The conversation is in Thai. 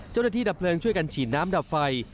เจ้าหน้าที่ดับเปลืองช่วยกันฉีดน้ำดับไฟ